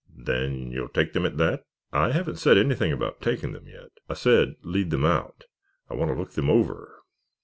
"Then you'll take them at that?" "I haven't said anything about taking them, yet. I said lead them out. I want to look them over."